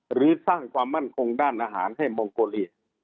หรือสร้างความมั่นคงด้านอาหารให้มองโกเลีย